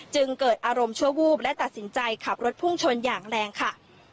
จึงเกิดอารมณ์ชั่ววูบและตัดสินใจขับรถพุ่งชนอย่างแรงค่ะ